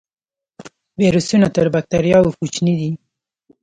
ویروسونه تر بکتریاوو کوچني دي